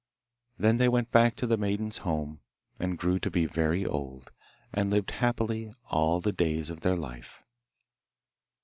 Then they went back to the maiden's home, and grew to be very old, and lived happy all the days of their life.